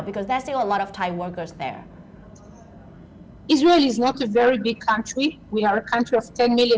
มีความ๑๙๘๖ครั้งวล